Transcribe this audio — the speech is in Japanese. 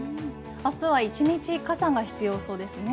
明日は１日、傘が必要そうですね。